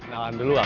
kenalan dulu aku